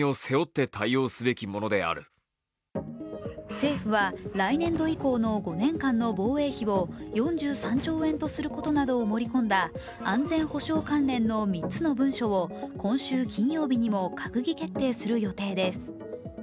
政府は来年度以降の５年間の防衛費を４３兆円とすることなどを盛り込んだ安全保障関連の３つの文書を今週金曜日にも閣議決定する予定です。